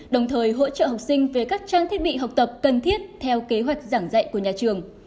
đồng thời hỗ trợ học sinh về các trang thiết bị học tập cần thiết theo kế hoạch giảng dạy của nhà trường